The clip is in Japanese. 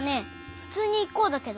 ふつうにこうだけど。